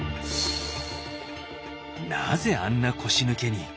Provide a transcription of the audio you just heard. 「なぜあんな腰抜けに」。